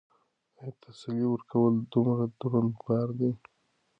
ایا تسلي ورکول دومره دروند بار دی؟